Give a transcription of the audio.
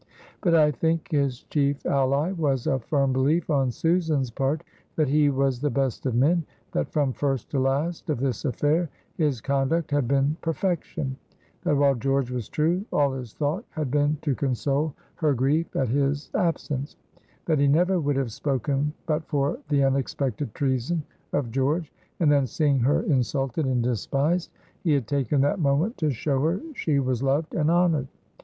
But I think his chief ally was a firm belief on Susan's part that he was the best of men; that from first to last of this affair his conduct had been perfection; that while George was true all his thought had been to console her grief at his absence; that he never would have spoken but for the unexpected treason of George, and then seeing her insulted and despised he had taken that moment to show her she was loved and honored.